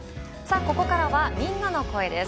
ここからはみんなの声です。